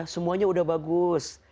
semuanya udah bagus